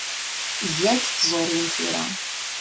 Ggant tẓurin tura.